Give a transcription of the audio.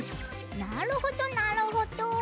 なるほどなるほど。